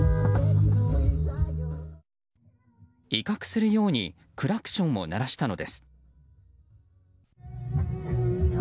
威嚇するようにクラクションを鳴らしたのです。